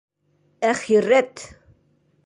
Әхирәт!